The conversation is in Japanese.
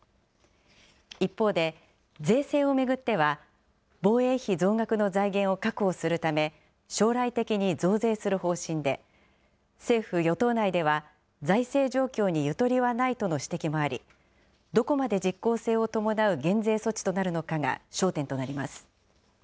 一方で、税制を巡っては、防衛費増額の財源を確保するため、将来的に増税する方針で、政府・与党内では財政状況にゆとりはないとの指摘もあり、どこまで実効性を伴う減税措置となるのかが焦点となります。